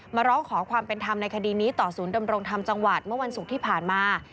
มาร้องขอความเป็นธรรมในคดีนี้ต่อศูนย์ดำรงธรรมจังหวัดเมื่อวันศุกร์ที่ผ่านมา